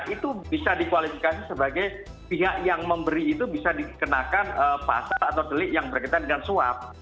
itu bisa dikualifikasi sebagai pihak yang memberi itu bisa dikenakan pasal atau delik yang berkaitan dengan suap